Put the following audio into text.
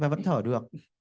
và vẫn thở được